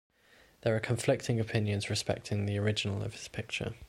There are conflicting opinions respecting the original of his picture.